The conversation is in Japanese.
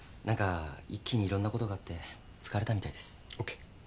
何か一気にいろんなことがあって疲れたみたいです。